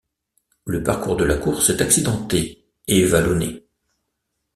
Le parcours de la course est accidenté et vallonné.